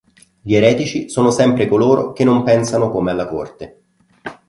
Gli eretici sono sempre coloro che non pensano come alla corte.